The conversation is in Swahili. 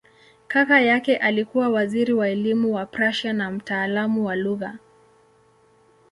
Kaka yake alikuwa waziri wa elimu wa Prussia na mtaalamu wa lugha.